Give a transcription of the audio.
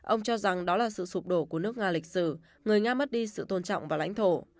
ông cho rằng đó là sự sụp đổ của nước nga lịch sử người nga mất đi sự tôn trọng vào lãnh thổ